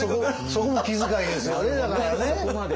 そこも気遣いですよねだからね。